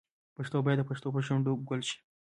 پښتو باید بیا د پښتنو په شونډو ګل شي.